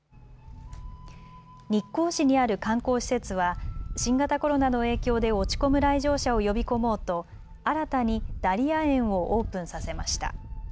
日光市にある観光施設は新型コロナの影響で落ち込む来場者を呼び込もうと新たにダリア園をオープンさせました。